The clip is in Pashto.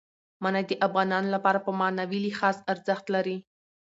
منی د افغانانو لپاره په معنوي لحاظ ارزښت لري.